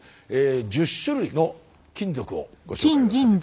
１０種類の金属をご紹介をさせて頂きます。